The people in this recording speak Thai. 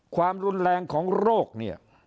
ความรุนแรงของโรคเนี่ย